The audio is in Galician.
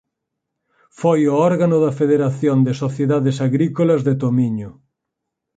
Foi o órgano da Federación de Sociedades Agrícolas de Tomiño.